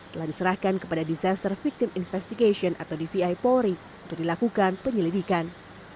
telah diserahkan kepada disaster victim investigation atau dvi polri untuk dilakukan penyelidikan